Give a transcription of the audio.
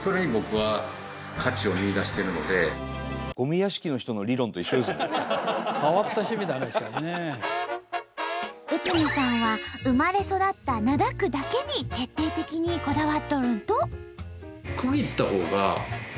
慈さんは生まれ育った灘区だけに徹底的にこだわっとるんと！